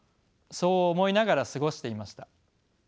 そう思いながら過ごしていました。